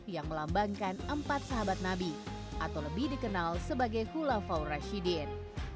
yang dikenal sebagai kulafaul rashidin